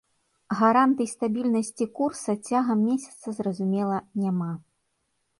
Гарантый стабільнасці курса цягам месяца, зразумела, няма.